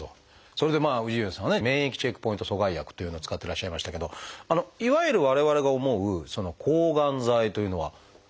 それで氏家さんはね免疫チェックポイント阻害薬というのを使ってらっしゃいましたけどいわゆる我々が思う抗がん剤というのは使わないということでしょうか？